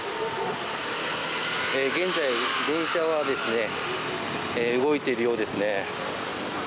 現在、電車は動いているようですね。